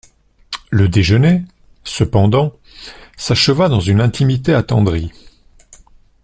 Le déjeuner, cependant, s'acheva dans une intimité attendrie.